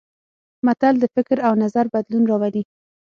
متل د فکر او نظر بدلون راولي